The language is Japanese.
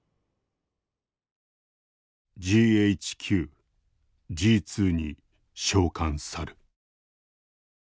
「ＧＨＱ・Ｇ−２に召喚さる」。